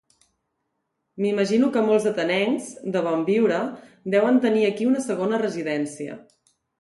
M'imagino que molts atenencs de bon viure deuen tenir aquí una segona residència.